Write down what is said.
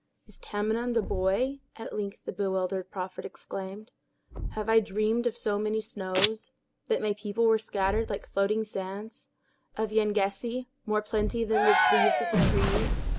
"Is Tamenund a boy?" at length the bewildered prophet exclaimed. "Have I dreamed of so many snows—that my people were scattered like floating sands—of Yengeese, more plenty than the leaves on the trees!